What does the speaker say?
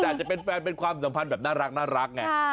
อาจจะเป็นแฟนเป็นความสัมพันธ์แบบน่ารักไง